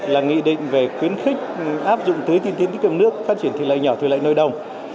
là nghị định về khuyến khích áp dụng tưới tiên tiến tích cực nước phát triển thị lợi nhỏ thủy lợi nội đồng